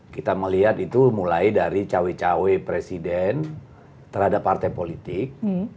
kita melihat itu mulai dari cawe cawe presiden terhadap partai politik